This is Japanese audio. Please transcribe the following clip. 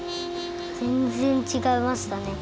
ぜんぜんちがいましたね。